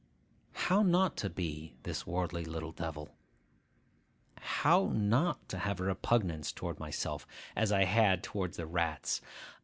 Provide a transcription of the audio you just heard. How not to be this worldly little devil? how not to have a repugnance towards myself as I had towards the rats?